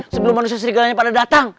sebelum manusia seriganya pada datang